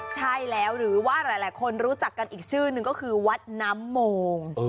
ใช่แล้วหรือว่าหลายคนรู้จักกันอีกชื่อนึงก็คือวัดน้ำโมง